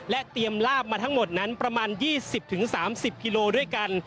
เตรียมลาบมาทั้งหมดนั้นประมาณ๒๐๓๐กิโลด้วยกัน